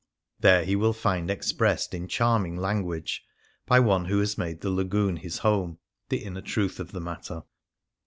There he will find expressed in charming language, by one who has made the Lagoon his home, the inner truth of the matter.